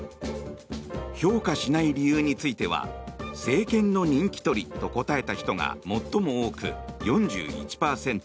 評価しない理由については政権の人気取りと答えた人が最も多く、４１％。